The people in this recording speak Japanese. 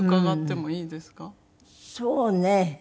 そうね。